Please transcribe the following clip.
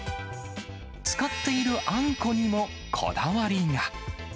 使っているあんこにもこだわりが。